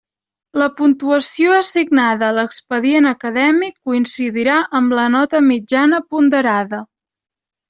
La puntuació assignada a l'expedient acadèmic coincidirà amb la nota mitjana ponderada.